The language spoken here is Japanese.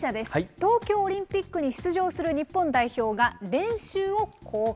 東京オリンピックに出場する日本代表が、練習を公開。